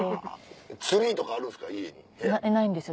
ツリーとかあるんですか？